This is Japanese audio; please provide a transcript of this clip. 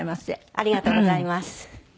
ありがとうございます。